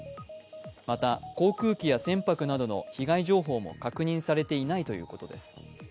また航空機や船舶などの被害情報も確認されていないということです。